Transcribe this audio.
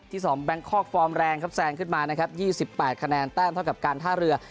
ที่สองแบงคอกฟอร์มแรงครับแซนขึ้นมานะครับยี่สิบแปดคะแนนแต้มเท่ากับการท่าเรือ